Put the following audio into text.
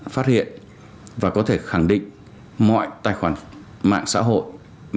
phát hiện và có thể khẳng định mọi tài khoản mạng xã hội